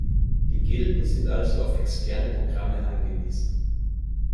Die Gilden sind also auf externe Programme angewiesen.